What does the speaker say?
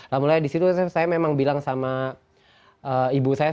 nah mulai disitu saya memang bilang sama ibu saya